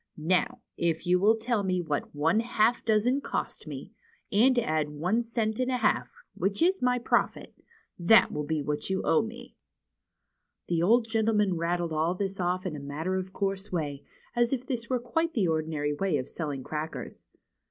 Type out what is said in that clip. Now, if you will tell me what one half dozen cost me, and add one cent and a half, which is my profit, that will be what you owe me." BEHIND THE WARDROBE. 69 The old gentleman rattled all this off in a matter of course way, as if this were quite the ordinary Avay of selling crackers.